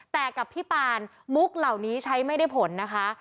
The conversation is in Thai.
แต่กับพี่ปานมุกเหล่านี้ใช้ไม่ได้ผลนะคะ